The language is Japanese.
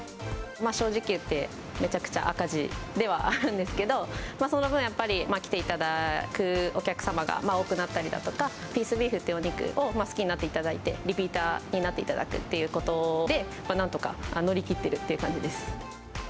正直言って、、めちゃくちゃ赤字ではあるんですけど、その分、やっぱり来ていただくお客様が多くなったりだとか、ピースビーフっていうお肉を好きになっていただいて、リピーターになっていただくということで、まあ、なんとか乗り切っているという感じです。